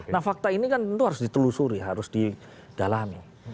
nah fakta ini kan tentu harus ditelusuri harus didalami